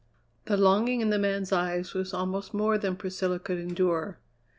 The longing in the man's eyes was almost more than Priscilla could endure.